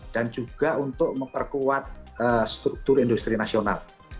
dan juga untuk memperkuat struktur industri nasional